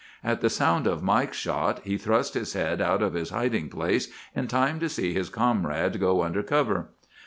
"At the sound of Mike's shot he thrust his head out of his hiding place in time to see his comrade go under cover.